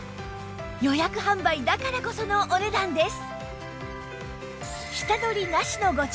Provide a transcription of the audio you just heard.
予約販売だからこそのお値段です